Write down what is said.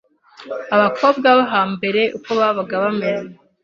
Abakobwa bo hambere uko babaga bameze